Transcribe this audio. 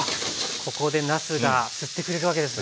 ここでなすが吸ってくれるわけですね。